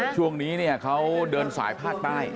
ช่วงนี้เขาเดินสายภาคใต้